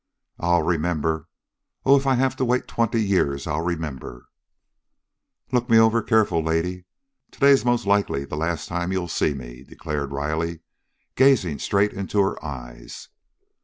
"I'll remember! Oh, if I have to wait twenty years, I'll remember!" "Look me over careful, lady. Today's most likely the last time you'll see me," declared Riley, gazing straight into her eyes.